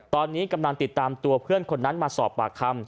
ตอนนี้กำลังติดตามตัวเพื่อนคนนั้นมาสอบปากคำ